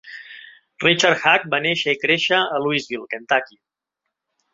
Richard Haag va néixer i créixer a Louisville, Kentucky.